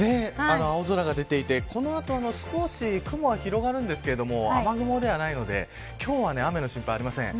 青空が出ていてこのあと少し雲、広がるんですが雨雲ではないので今日は雨の心配はありません。